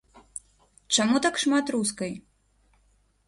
Чаму так шмат рускай?